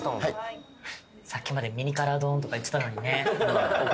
さっきまでミニから丼とか言ってたのにね